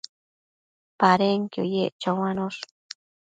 Padenquio yec choanosh